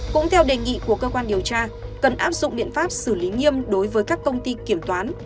cũng theo đề nghị của cơ quan điều tra cần áp dụng biện pháp xử lý nghiêm đối với các công ty kiểm toán